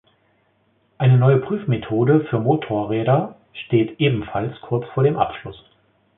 Eine neue Prüfmethode für Motorräder steht ebenfalls kurz vor dem Abschluss.